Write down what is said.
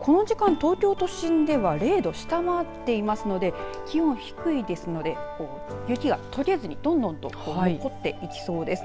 この時間、東京都心では０度を下回っていますので気温、低いですので雪がとけずに、どんどんと積もっていきそうです。